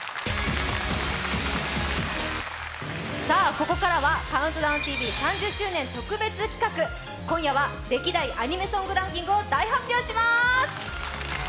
ここからは「ＣＤＴＶ」３０周年特別企画、今夜は歴代アニメソングランキングを発表いたします。